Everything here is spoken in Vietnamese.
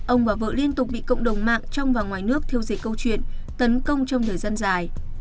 ông và vợ liên tục bị cộng đồng mạng trong và ngoài nước theo diệt câu chuyện tấn công trong thời gian dài